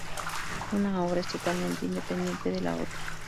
Una obra es totalmente independiente de la otra.